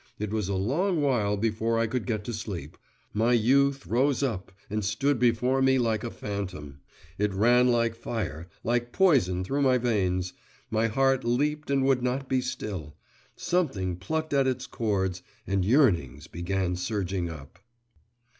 … It was a long while before I could get to sleep: my youth rose up and stood before me like a phantom; it ran like fire, like poison through my veins, my heart leaped and would not be still, something plucked at its chords, and yearnings began surging up.